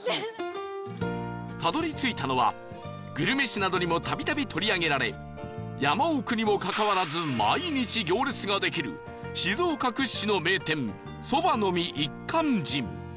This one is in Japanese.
たどり着いたのはグルメ誌などにもたびたび取り上げられ山奥にもかかわらず毎日行列ができる静岡屈指の名店そばの実一閑人